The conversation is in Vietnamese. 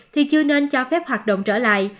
thì chưa nên cho phép hoạt động trở lại